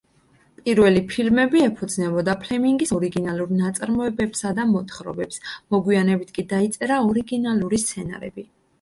პირველი ფილმები ეფუძნებოდა ფლემინგის ორიგინალური ნაწარმოებებსა და მოთხრობებს, მოგვიანებით კი დაიწერა ორიგინალური სცენარები.